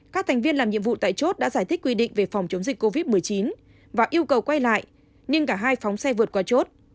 các thành viên làm nhiệm vụ tại chốt đã giải thích quy định về phòng chống dịch covid một mươi chín và yêu cầu quay lại nhưng cả hai phóng xe vượt qua chốt